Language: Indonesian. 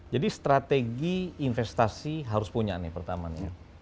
jadi strategi investasi harus punya nih pertama nih